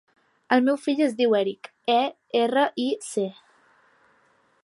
El meu fill es diu Eric: e, erra, i, ce.